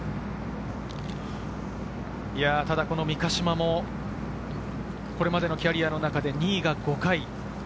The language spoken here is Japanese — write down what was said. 三ヶ島もこれまでのキャリアの中で２位が５回。